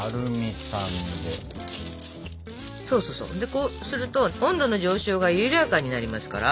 こうすると温度の上昇が緩やかになりますから。